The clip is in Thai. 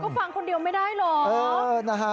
ก็ฟังคนเดียวไม่ได้หรอก